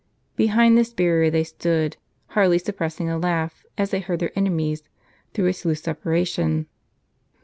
Behind this bai rier they stood, hardly suppressing a laugh as they heard their enemies through its loose separation.